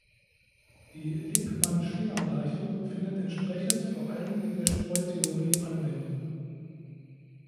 Die Lippmann-Schwinger-Gleichung findet entsprechend vor allem in der Streutheorie Anwendung.